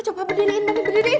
coba berdiriin bandi berdiriin